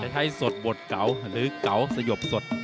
ใช้สดบทเก่าหรือเก๋าสยบสด